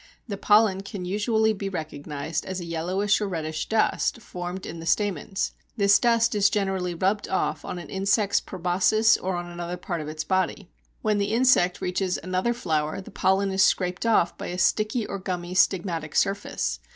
The pollen can usually be recognized as a yellowish or reddish dust formed in the stamens; this dust is generally rubbed off on an insect's proboscis or on part of its body. When the insect reaches another flower the pollen is scraped off by a sticky or gummy stigmatic surface.